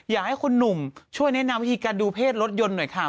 อยากให้คุณหนุ่มช่วยแนะนำวิธีการดูเพศรถยนต์หน่อยค่ะ